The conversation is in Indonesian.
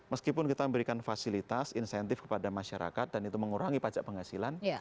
meskipun kita memberikan fasilitas insentif kepada masyarakat dan itu mengurangi pajak penghasilan